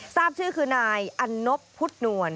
ทราบชื่อคือนายอันนบพุทธนวล